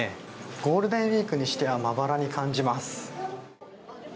ゴールデンウィークにしてはまばらに感じます。